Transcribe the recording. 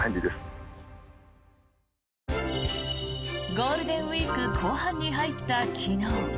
ゴールデンウィーク後半に入った昨日。